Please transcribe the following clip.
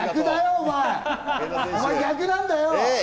お前、逆なんだよ！